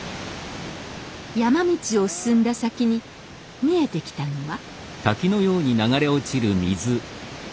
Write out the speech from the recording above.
山道を進んだ先に見えてきたのは。